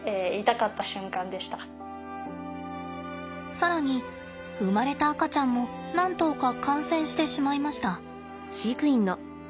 さらに生まれた赤ちゃんも何頭か感染してしまいました。